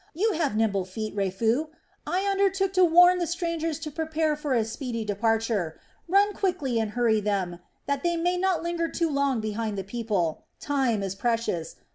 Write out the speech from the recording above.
You have nimble feet, Raphu; I undertook to warn the strangers to prepare for a speedy departure. Run quickly and hurry them, that they may not linger too far behind the people. Time is precious!